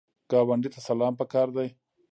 ګاونډي ته سلام پکار دی